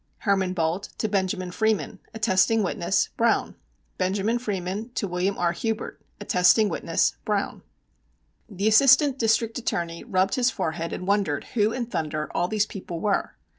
HERMAN BOLTE to BROWNE, BENJ. FREEMAN attesting witness. BENJ. FREEMAN to BROWNE, WILLIAM R. HUBERT attesting witness. The Assistant District Attorney rubbed his forehead and wondered who in thunder all these people were.